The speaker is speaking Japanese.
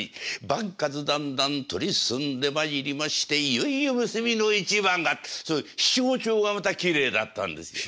番数だんだん取り進んでまいりましていよいよ結びの一番が」ってそういう七五調がまたきれいだったんですよ。